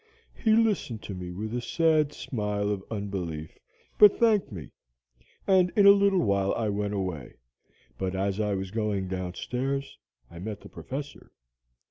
He listened to me with a sad smile of unbelief, but thanked me, and in a little while I went away. But as I was going down stairs, I met the Professor.